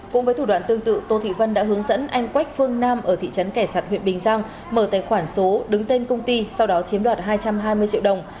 cũng với thủ đoạn tương tự tô thị vân đã hướng dẫn anh quách phương nam ở thị trấn kẻ sạt huyện bình giang mở tài khoản số đứng tên công ty sau đó chiếm đoạt hai trăm hai mươi triệu đồng